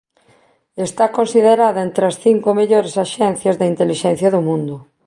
Está considerada entre o cinco mellores axencias de intelixencia do mundo.